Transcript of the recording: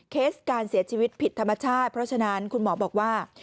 เคสการเสียชีวิตผิดธรรมชาติเพราะฉะนั้นคุณหมอบอกว่า